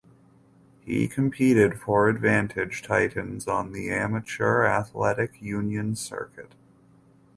He competed for Advantage Titans on the Amateur Athletic Union circuit.